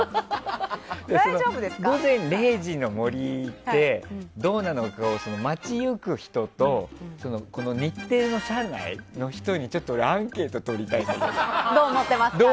「午前０時の森」ってどうなのかを待ち行く人と日テレの社内の人にちょっと、俺アンケート取りたいんだけど。